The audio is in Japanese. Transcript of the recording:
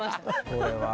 これは。